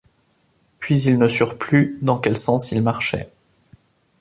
Puis, ils ne surent plus dans quel sens ils marchaient.